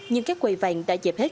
nhưng các quầy vàng đã dẹp hết